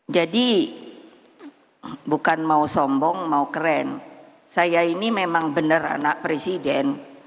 jadi bukan mau sombong mau keren saya ini memang benar anak presiden